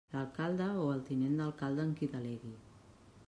L'Alcalde o el Tinent d'Alcalde en qui delegui.